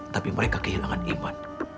tapi mereka kehilangan iman